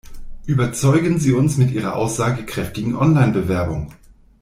Überzeugen Sie uns mit Ihrer aussagekräftigen Online-Bewerbung.